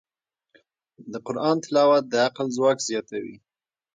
د قرآن تلاوت د عقل ځواک زیاتوي.